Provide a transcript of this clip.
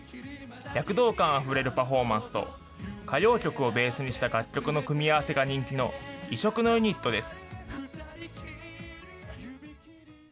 躍動感あふれるパフォーマンスと、歌謡曲をベースにした楽曲の組み合わせが人気の異色のユニットです。